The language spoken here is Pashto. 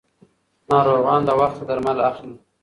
ناروغان له وخته درمل اخلي.